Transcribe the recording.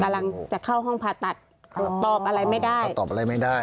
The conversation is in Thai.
กำลังจะเข้าห้องผ่าตัดก็ตอบอะไรไม่ได้